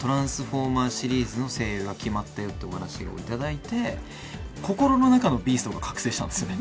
トランスフォーマーシリーズの声優が決まったよっていうお話を頂いて、心の中のビーストが覚醒したんですよね。